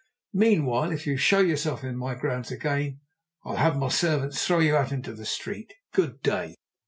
Meanwhile, if you show yourself in my grounds again, I'll have my servants throw you out into the street! Good day."